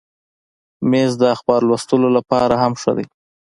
مېز د اخبار لوستلو لپاره هم ښه دی.